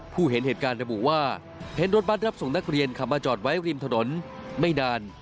เห็นเหตุการณ์ระบุว่าเห็นรถบัตรรับส่งนักเรียนขับมาจอดไว้ริมถนนไม่นาน